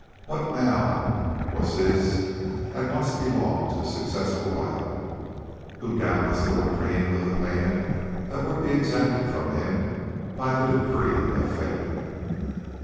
What now was his had once belonged to his successful rival, who doubtless little dreamed of the payment that would be exacted from him by the decree of fate.